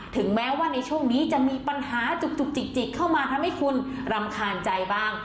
ถึงแม้ว่าในช่วงนี้จะมีปัญหาจุกจิกเข้ามาทำให้คุณรำคาญใจบ้าง